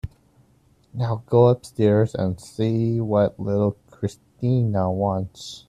Now go upstairs and see what little Christina wants.